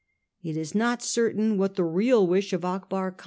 It is not certain what the real wish of Akbar Khan 1842.